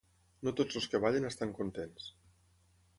No tots els que ballen estan contents.